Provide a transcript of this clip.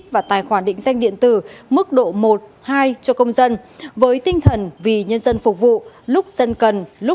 và tài khoản định danh điện tử